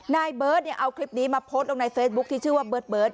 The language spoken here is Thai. นายเบิร์ตเอาคลิปนี้มาโพสต์ลงในเฟซบุ๊คที่ชื่อว่าเบิร์ต